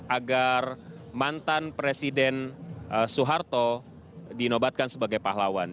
agar mantan presiden soeharto dinobatkan sebagai pahlawan